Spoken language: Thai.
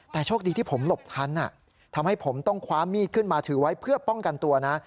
แต่โชคดีที่ผมหลบทันทำให้ผมต้องคว้ามีดขึ้นมาถือไว้เพื่อป้องกันตัวนะ